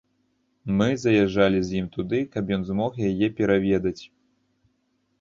Мы заязджалі з ім туды, каб ён змог яе пераведаць.